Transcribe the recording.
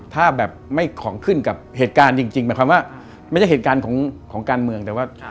ถ้าแบบไม่ของขึ้นกับเหตุการณ์จริงหมายความว่าไม่ใช่เหตุการณ์ของการเมืองแต่ว่า